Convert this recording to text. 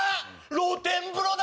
露天風呂だ！